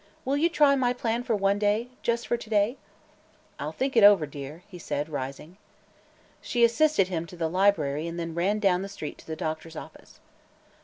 Will you try my plan for one day just for to day." "I'll think it over, dear," he said, rising. She assisted him to the library and then ran down the street to the doctor's office. "Dr.